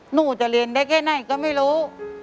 หนูจะเรียนได้แค่ไหนก็ไม่รู้